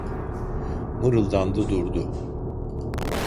Mırıldandı durdu: